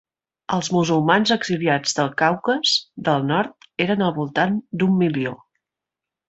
Els musulmans exiliats del Caucas del Nord eren al voltant d'un milió.